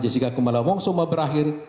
jessica kumala wong soma berakhir